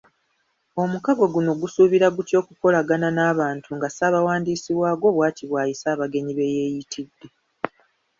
Omukago guno gusuubira gutya okukolagana n'abantu nga Ssabawandiisi waagwo bwati bwayisa abagenyi beyeeyitidde.